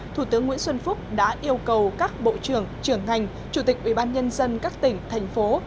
thủ tướng nguyễn xuân phúc đã yêu cầu các bộ trưởng trưởng ngành chủ tịch ủy ban nhân dân các tỉnh thành phố